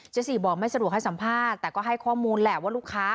สี่บอกไม่สะดวกให้สัมภาษณ์แต่ก็ให้ข้อมูลแหละว่าลูกค้า